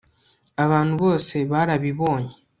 abantu bose barabibonye